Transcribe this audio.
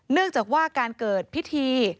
เนื่องจากว่าการเกิดพิธี